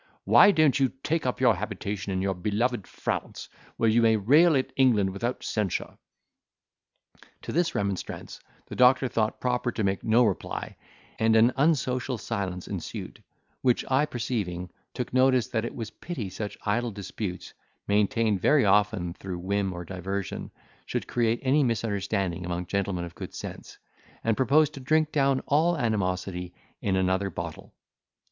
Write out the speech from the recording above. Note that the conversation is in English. Why don't you take up your habitation in your beloved France, where you may rail at England without censure?" To this remonstrance the doctor thought proper to make no reply, and an unsocial silence ensued; which I perceiving, took notice, that it was pity such idle disputes, maintained very often through whim or diversion, should create any misunderstanding among gentlemen of good sense, and proposed to drink down all animosity in another bottle.